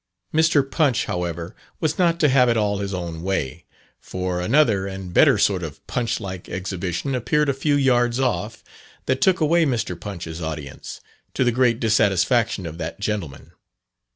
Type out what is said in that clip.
Mr. Punch, however, was not to have it all his own way, for another and better sort of Punch like exhibition appeared a few yards off, that took away Mr. Punch's audience, to the great dissatisfaction of that gentleman.